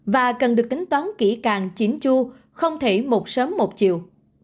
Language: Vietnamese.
và cần được tính toán kỹ càng chín chu không thể một sớm một chiều